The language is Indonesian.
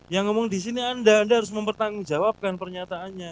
yang ngomong di sini anda anda harus mempertanggungjawabkan pernyataannya